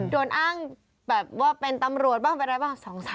โดนอ้างแบบว่าเป็นตำรวจบ้างบ้าง